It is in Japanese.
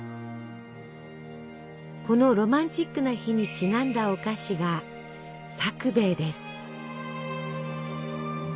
このロマンチックな日にちなんだお菓子が「さくべい」です。